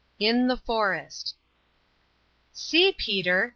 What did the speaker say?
IN THE FOREST. "See, Peter!"